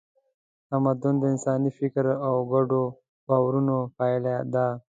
تمدن د انساني فکر او ګډو باورونو پایله ده.